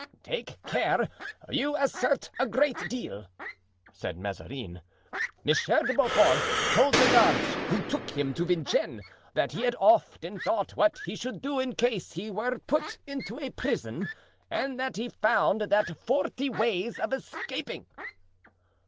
"Take care! you assert a great deal," said Mazarin. "Monsieur de Beaufort told the guards who took him to Vincennes that he had often thought what he should do in case he were put into prison, and that he had found out forty ways of escaping."